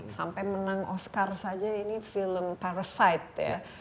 sampai menang oscar saja ini film parasite ya